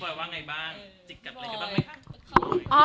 และปโปรโมทสินค้านอน